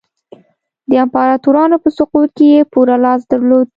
د امپراتورانو په سقوط کې یې پوره لاس درلود.